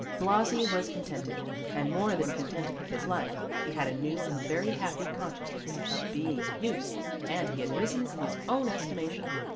Blasi was contented, and more than contented with his life; he had a new and very happy consciousness of being of use, and he had risen in his own estimation.